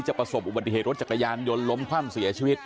ประสบอุบัติเหตุรถจักรยานยนต์ล้มคว่ำเสียชีวิต